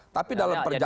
tapi dalam perjalanan